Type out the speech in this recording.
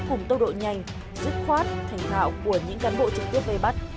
cùng tốc độ nhanh dứt khoát thành thạo của những cán bộ trực tiếp vây bắt